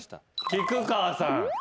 菊川さん。